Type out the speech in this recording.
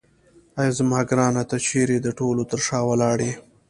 اې زما ګرانه ته چیرې د ټولو تر شا ولاړ یې.